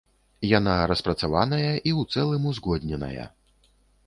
Яна распрацаваная і ў цэлым узгодненая.